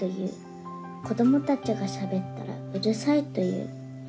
子どもたちがしゃべったらうるさいという。」